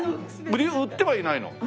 売ってはいないの？